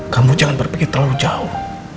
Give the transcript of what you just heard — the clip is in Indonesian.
kamu jangan berpikir terlalu jauh